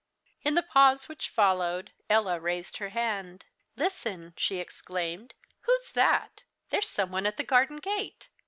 In the pause which followed, Ella raised her hand. "Listen," she exclaimed; "who's that? There's some one at the garden gate."